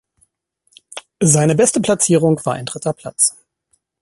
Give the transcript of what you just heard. Seine beste Platzierung war ein dritter Platz.